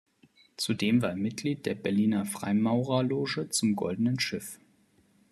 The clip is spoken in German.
Zudem war er Mitglied der Berliner Freimaurerloge „Zum Goldenen Schiff“.